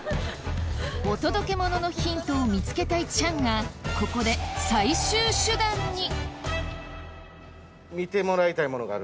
お届けモノのヒントを見つけたいチャンがここで最終手段にはい。